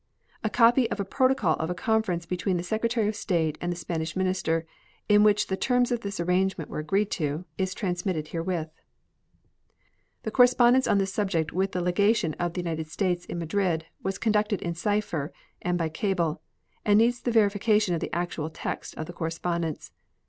A copy of a protocol of a conference between the Secretary of State and the Spanish minister, in which the terms of this arrangement were agreed to, is transmitted herewith. The correspondence on this subject with the legation of the United States in Madrid was conducted in cipher and by cable, and needs the verification of the actual text of the correspondence.